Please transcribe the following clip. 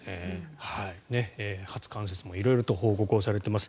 初冠雪も色々と報告されています。